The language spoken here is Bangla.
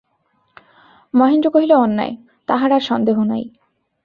মহেন্দ্র কহিল, অন্যায়, তাহার আর সন্দেহ নাই।